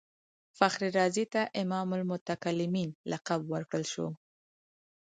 فخر رازي ته امام المتکلمین لقب ورکړل شو.